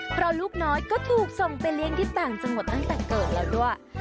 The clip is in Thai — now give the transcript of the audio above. เพราะลูกน้อยก็ถูกส่งไปเลี้ยงที่ต่างจังหวัดตั้งแต่เกิดแล้วด้วย